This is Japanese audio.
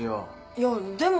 いやでも。